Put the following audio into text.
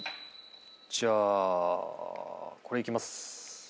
じゃあこれいきます。